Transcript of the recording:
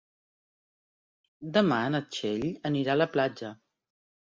Demà na Txell anirà a la platja.